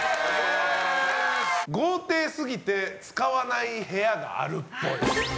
豪邸すぎて使わない部屋があるっぽい。